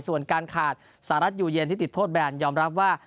ส่วนการขาดสหรัฐอยู่เย็นที่ติดโทษแบนยอมรับว่า